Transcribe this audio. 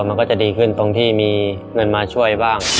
มันก็จะดีขึ้นตรงที่มีเงินมาช่วยบ้าง